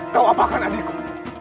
kau apakan adikku